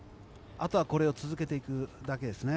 あとはこれを続けていくだけですね。